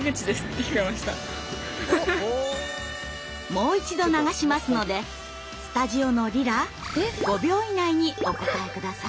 もう一度流しますのでスタジオのリラ５秒以内にお答え下さい。